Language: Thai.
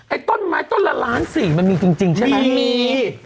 ต้นไม้ต้นละล้านสี่มันมีจริงใช่ไหมมันมี